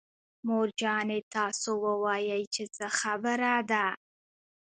مور جانې تاسو ووايئ چې څه خبره ده.